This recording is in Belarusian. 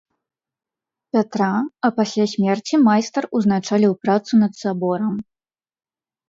Пятра, а пасля смерці майстар узначаліў працу над саборам.